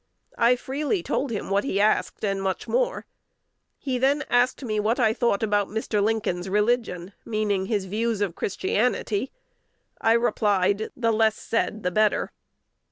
I freely told him what he asked, and much more. He then asked me what I thought about Mr. Lincoln's religion, meaning his views of Christianity. I replied, "The less said, the better."